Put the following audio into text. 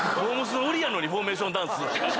の売りやのにフォーメーションダンス。